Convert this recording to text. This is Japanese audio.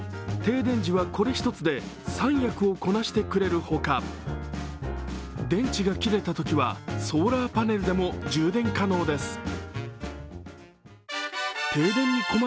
停電時はこれ一つで３役をこなしてくれるほか、電池が切れたときは、ソーラーパネルでも充電可能です。